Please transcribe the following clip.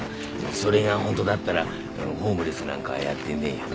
それが本当だったらホームレスなんかやってねえよな。